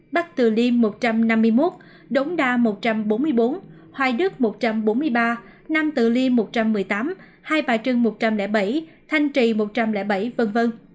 bắc từ liêm một trăm năm mươi một đống đa một trăm bốn mươi bốn hoài đức một trăm bốn mươi ba nam tự liêm một trăm một mươi tám hai bà trưng một trăm linh bảy thanh trì một trăm linh bảy v v